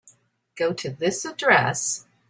Go to this address.